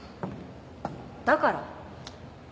だから？